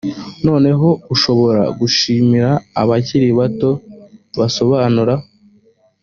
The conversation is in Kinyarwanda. nanone ushobora gushimira abakiri bato basobanura